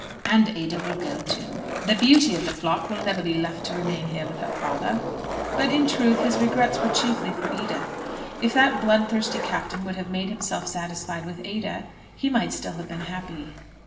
"And Ada will go, too. The beauty of the flock will never be left to remain here with her father." But in truth his regrets were chiefly for Edith. If that bloodthirsty Captain would have made himself satisfied with Ada, he might still have been happy.